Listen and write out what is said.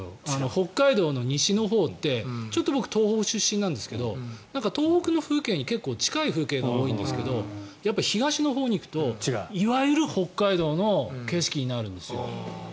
北海道の西のほうって僕、東北出身なんですけど東北の風景に結構近い風景が多いんですけど東のほうに行くといわゆる北海道の景色になるんですよ。